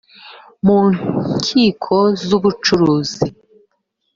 mu nkiko z ubucuruzi